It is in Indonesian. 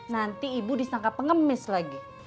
nanti ibu disangka pengemis lagi